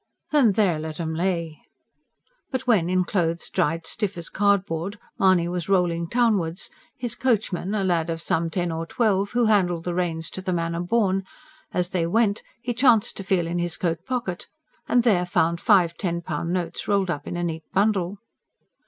"Then there let 'em lay!" But when, in clothes dried stiff as cardboard, Mahony was rolling townwards his coachman, a lad of some ten or twelve who handled the reins to the manner born as they went he chanced to feel in his coat pocket, and there found five ten pound notes rolled up in a neat bundle.